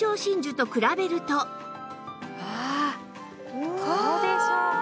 実際にどうでしょうか？